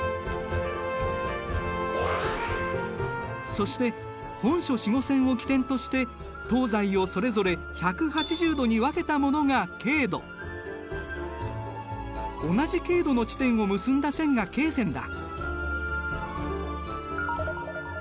そして本初子午線を基点として東西をそれぞれ１８０度に分けたものが経度同じ経度の地点を結んだ線が経線だ。